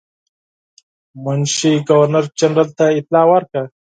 منشي ګورنر جنرال ته اطلاع ورکړه.